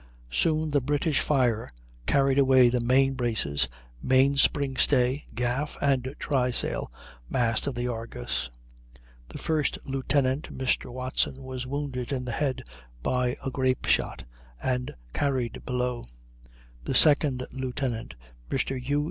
Soon the British fire carried away the main braces, main spring stay, gaff, and try sail mast of the Argus; the first lieutenant, Mr. Watson, was wounded in the head by a grape shot and carried below; the second lieutenant, Mr. U.